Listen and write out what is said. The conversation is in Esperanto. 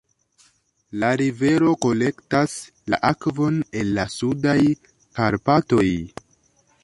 La rivero kolektas la akvon el la Sudaj Karpatoj.